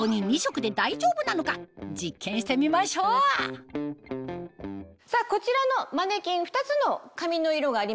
実験してみましょうさぁこちらのマネキン２つの髪の色がありますね。